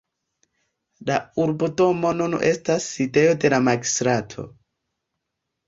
La urbodomo nun estas sidejo de la magistrato.